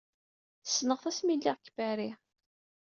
Ssneɣ-t asmi ay lliɣ deg Paris.